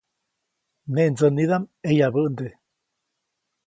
Neʼ ndsänidaʼm ʼeyabände.